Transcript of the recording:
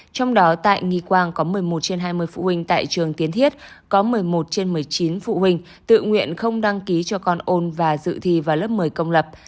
trong đó tại nghi quang có một mươi một trên hai mươi phụ huynh tại trường tiến thiết có một mươi một trên một mươi chín phụ huynh tự nguyện không đăng ký cho con ôn và dự thi vào lớp một mươi công lập